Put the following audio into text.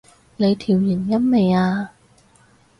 你調完音未啊？